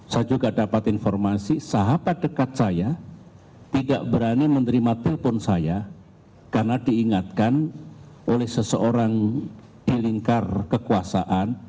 saya juga dapat informasi sahabat dekat saya tidak berani menerima telpon saya karena diingatkan oleh seseorang di lingkar kekuasaan